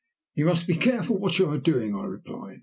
"You must be careful what you are doing," I replied.